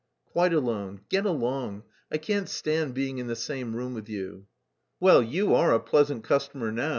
"Quite alone. Get along; I can't stand being in the same room with you." "Well, you are a pleasant customer now!"